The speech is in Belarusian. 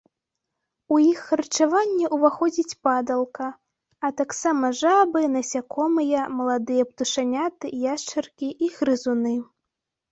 У іх харчаванне ўваходзіць падалка, а таксама жабы, насякомыя, маладыя птушаняты, яшчаркі і грызуны.